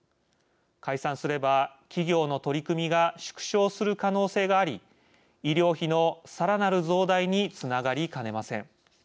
解散すれば、企業の取り組みが縮小する可能性があり医療費のさらなる増大につながりかねません。